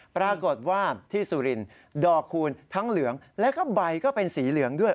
ปรากฏว่าที่สุรินดอกคูณทั้งเหลืองแล้วก็ใบก็เป็นสีเหลืองด้วย